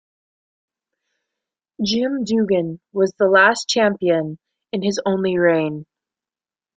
Jim Duggan was the last champion in his only reign.